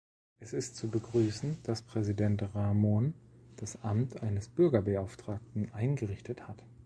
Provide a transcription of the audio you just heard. Es ist zu begrüßen, dass Präsident Rahmon das Amt eines Bürgerbeauftragten eingerichtet hat.